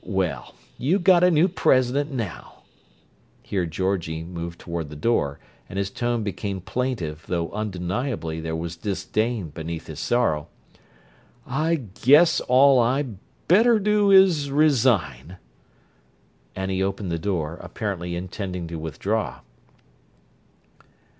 Well, you got a new president now!" Here Georgie moved toward the door and his tone became plaintive, though undeniably there was disdain beneath his sorrow. "I guess all I better do is—resign!" And he opened the door, apparently intending to withdraw.